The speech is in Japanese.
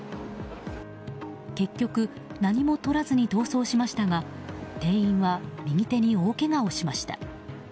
結局、何も取らずに逃走しましたが店員は右手に大けがをしました。